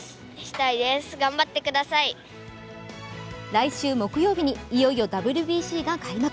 来週木曜日にいよいよＷＢＣが開幕。